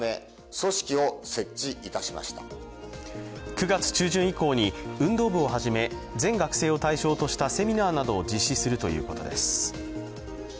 ９月中旬以降に運動をはじめ、全学生を対象としたセミナーなどを実施するということです。